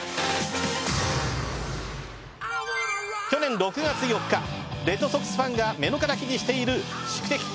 去年６月４日レッドソックスファンが目の敵にしている宿敵